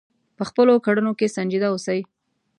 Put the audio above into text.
په خپلو کړنو کې سنجیده اوسئ.